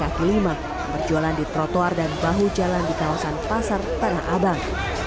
kaki lima berjualan di trotoar dan bahu jalan di kawasan pasar tanah abang